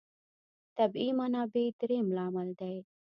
طبیعي منابع درېیم لامل دی.